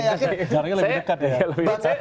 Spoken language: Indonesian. ya amat bangtengu bangtengu saya yakin